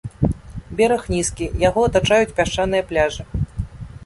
Бераг нізкі, яго атачаюць пясчаныя пляжы.